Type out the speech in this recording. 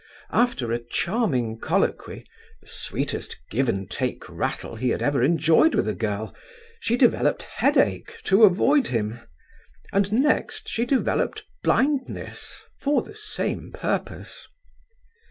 After a charming colloquy, the sweetest give and take rattle he had ever enjoyed with a girl, she developed headache to avoid him; and next she developed blindness, for the same purpose.